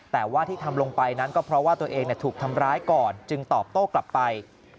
แต่ว่าที่ทำลงไปนั้นก็เพราะว่าตัวเองถูกทำร้ายก่อนจึงตอบโต้กลับไป